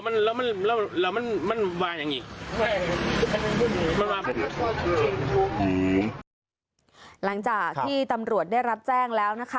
หลังจากที่ตำรวจได้รับแจ้งแล้วนะคะ